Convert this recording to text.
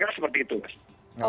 jadi seperti itu mas